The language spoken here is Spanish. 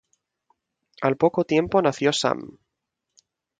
Al poco tiempo nació Sam.